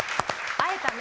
会えたね！